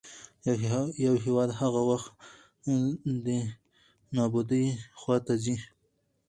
يـو هېـواد هـغه وخـت دې نـابـودۍ خـواتـه ځـي.